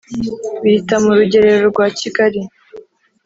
Bihita mu Rugerero rwa Kigali